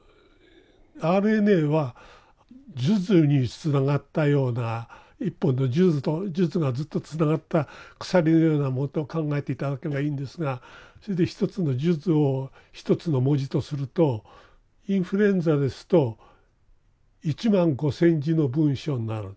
ＲＮＡは数珠につながったような１本の数珠がずっとつながった鎖のようなものと考えて頂けばいいんですがそれで１つの数珠を１つの文字とするとインフルエンザですと１５，０００の文章になる。